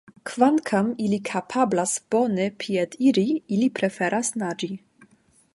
Kvankam ili kapablas bone piediri, ili preferas naĝi.